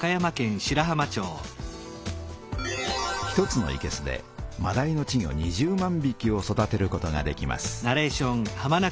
１つのいけすでまだいの稚魚２０万びきを育てることができます。